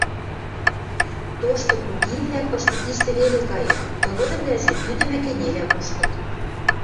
Тошты кугивлӓ кышты-тиштӹ веле кайыт, тыгыдывлӓжӹ ӱдӹмӹ кӹнелӓ кушкыт.